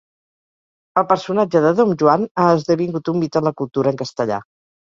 El personatge de dom Joan ha esdevingut un mite en la cultura en castellà.